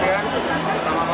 terutama mamin kure